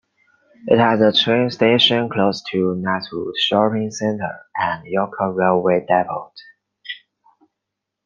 It has a train station close to Knightswood shopping centre and Yoker Railway Depot.